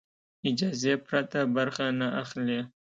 اجازې پرته برخه نه اخلي.